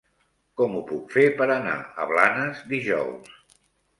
Com ho puc fer per anar a Blanes dijous?